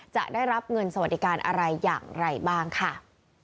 จะได้รับเงินสวัสดิการอะไรอย่างไรบ้างค่ะ